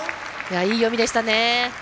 いい読みでしたね。